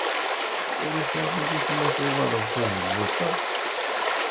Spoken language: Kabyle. Ulac aɣilif ma tɣelqeḍ tazewwut-a?